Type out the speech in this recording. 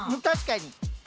確かに。